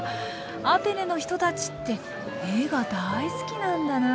アテネの人たちって絵が大好きなんだな！